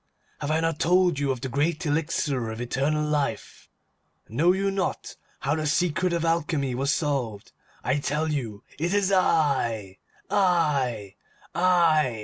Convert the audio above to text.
Have I not told you of the great elixir of eternal life? Know you not how the secret of Alchemy was solved? I tell you, it is I! I! I!